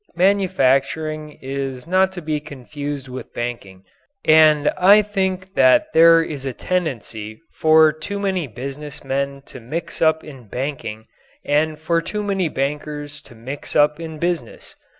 Manufacturing is not to be confused with banking, and I think that there is a tendency for too many business men to mix up in banking and for too many bankers to mix up in business.